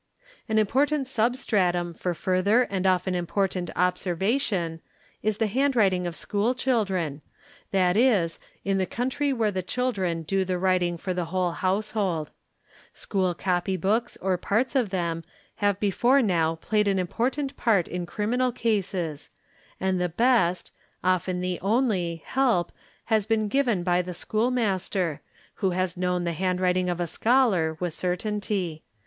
ad An important substratum for further and often important obs vation is the handwriting of school children, that is, in the count where the children do the writing for the whole household; seh copy books or parts of them have before now played an important p in criminal cases, and the best, often the only, help has been given the school master, who has known the handwriting of a scholar ¥ certainty.